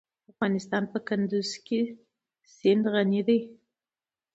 افغانستان په کندز سیند غني دی.